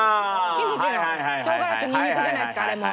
キムチの唐辛子とニンニクじゃないですかあれも。